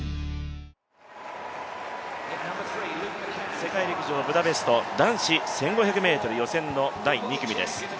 世界陸上ブダペスト、男子１５００ｍ予選の第２組です。